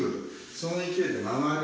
その勢いで回る。